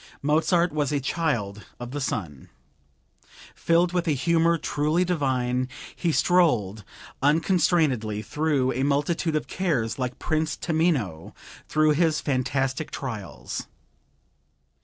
Mozart was a Child of the Sun. Filled with a humor truly divine, he strolled unconstrainedly through a multitude of cares like Prince Tamino through his fantastic trials.